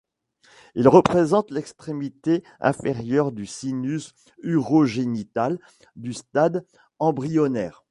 Il représente l'extrémité inférieure du sinus urogénital du stade embryonnaire.